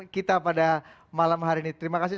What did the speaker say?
kita pada malam hari ini terima kasih